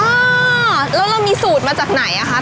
อ่าแล้วเรามีสูตรมาจากไหนอะคะ